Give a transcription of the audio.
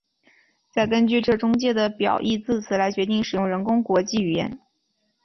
再根据这中介的表义字词来决定使用人工国际语言。